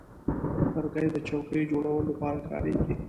لرګی د چوکۍ جوړولو لپاره کارېږي.